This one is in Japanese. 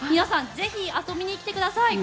ぜひ遊びに来てください！